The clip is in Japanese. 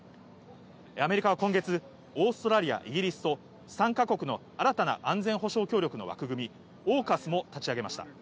アメリカは今月、オーストラリア、イギリスと３か国の新たな安全保障協力の枠組み、オーカスも立ち上げました。